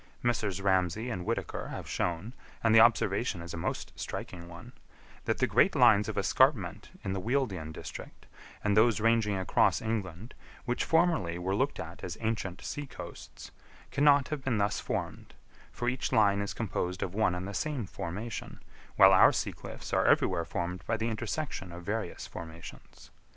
Messrs. Ramsay and Whitaker have shown, and the observation is a most striking one, that the great lines of escarpment in the Wealden district and those ranging across England, which formerly were looked at as ancient sea coasts, cannot have been thus formed, for each line is composed of one and the same formation, while our sea cliffs are everywhere formed by the intersection of various formations.